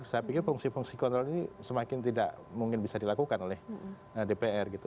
saya pikir fungsi fungsi kontrol ini semakin tidak mungkin bisa dilakukan oleh dpr gitu